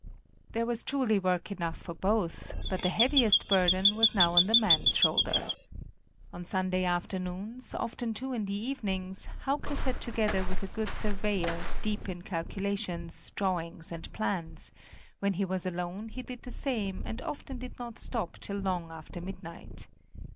There was truly work enough for both, but the heaviest burden was now on the man's shoulder. On Sunday afternoons, often too in the evenings, Hauke sat together with a good surveyor, deep in calculations, drawings and plans; when he was alone, he did the same and often did not stop till long after midnight.